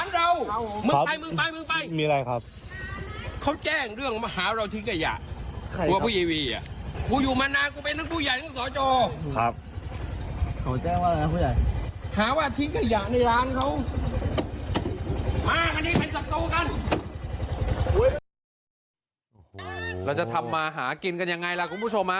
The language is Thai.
เราจะทำมาหากินกันยังไงล่ะคุณผู้ชม